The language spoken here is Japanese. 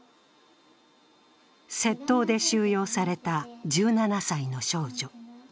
窃盗で収容された１７歳の少女。